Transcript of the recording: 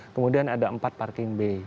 kemudian ada empat parking bay